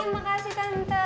oke makasih tante